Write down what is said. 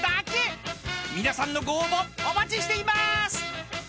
［皆さんのご応募お待ちしています］